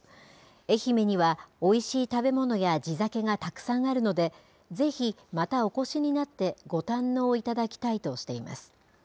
愛媛には、おいしい食べ物や地酒がたくさんあるので、ぜひ、またお越しになって、ご堪能いただきたいとしています。